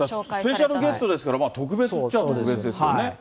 スペシャルゲストですから、特別っちゃ特別ですよね。